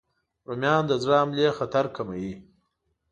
رومیان د زړه حملې خطر کموي